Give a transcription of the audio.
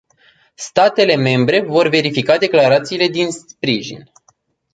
Statele membre vor verifica declarațiile de sprijin.